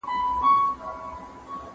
¬ مرگ په ماړه نس خوند کوي.